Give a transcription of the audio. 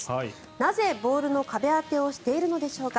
なぜ、ボールの壁当てをしているのでしょうか。